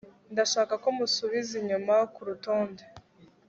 ndashaka ko musubiza inyuma kurutonde